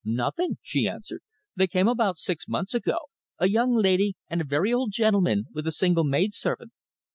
"Nothing," she answered. "They came about six months ago, a young lady and a very old gentleman, with a single maid servant.